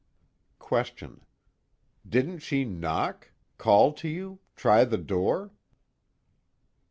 QUESTION: Didn't she knock? Call to you? Try the door?